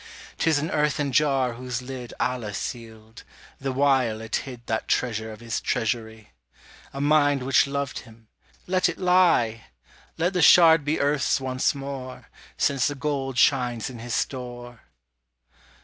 'Tis an earthen jar whose lid Allah sealed, the while it hid That treasure of His treasury, A mind which loved him: let it lie! Let the shard be earth's once more, Since the gold shines in His store!